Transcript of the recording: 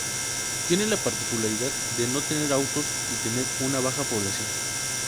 Tiene la particularidad de no tener autos y tener una baja población.